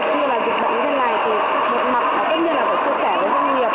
cũng như dịch bệnh như thế này một mặt tất nhiên là phải chia sẻ với doanh nghiệp